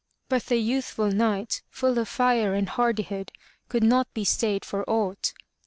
'' But the youthful Knight, full of fire and hardihood, could not be stayed for aught.